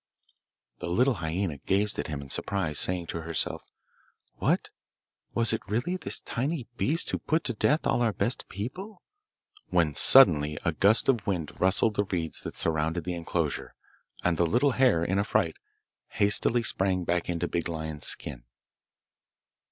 The little hyaena gazed at him in surprise, saying to herself, 'What! was it really this tiny beast who put to death all our best people?' when suddenly a gust of wind rustled the reeds that surrounded the enclosure, and the little hare, in a fright, hastily sprang back into Big Lion's skin.